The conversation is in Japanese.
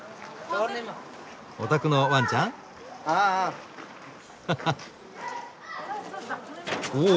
お宅のワンちゃん？ははっ。